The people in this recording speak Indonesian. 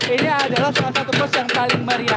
ini adalah salah satu bus yang paling meriah